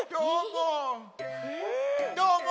どーも。